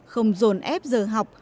không dồn ép giờ học